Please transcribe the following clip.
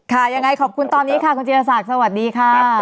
ยังไงขอบคุณตอนนี้ค่ะคุณจีรศักดิ์สวัสดีค่ะ